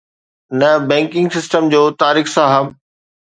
نه، banking system جو طارق صاحب